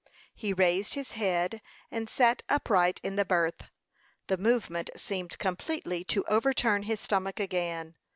He raised his head, and sat upright in the berth. The movement seemed completely to overturn his stomach again.